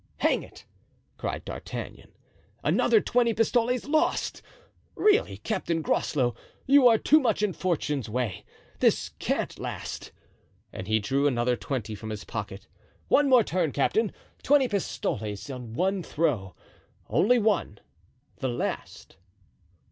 "Hang it!" cried D'Artagnan, "another twenty pistoles lost. Really, Captain Groslow, you are too much in fortune's way. This can't last," and he drew another twenty from his pocket. "One more turn, captain; twenty pistoles on one throw—only one, the last."